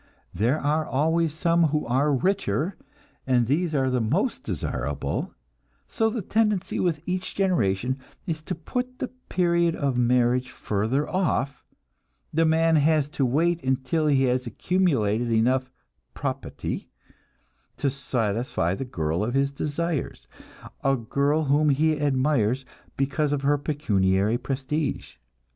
There are always some who are richer, and these are the most desirable; so the tendency with each generation is to put the period of marriage further off; the man has to wait until he has accumulated enough "proputty" to satisfy the girl of his desires a girl whom he admires because of her pecuniary prestige.